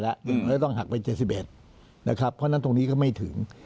แล้วต้องหักเป็น๗๑นะครับเพราะฉะนั้นตรงนี้ก็ไม่ถึง